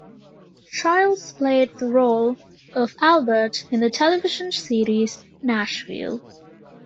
Childs played the role of Albert in the television series "Nashville".